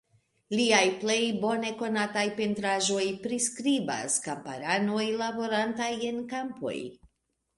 Liaj plej bone konataj pentraĵoj priskribas kamparanoj laborantaj en kampoj.